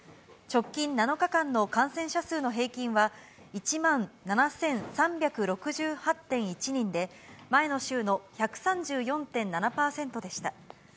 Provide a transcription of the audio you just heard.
直近７日間の感染者数の平均は、１万７３６８．１人で、前の週の１３４．７％でした。